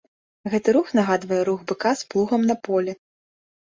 Гэты рух нагадвае рух быка з плугам на полі.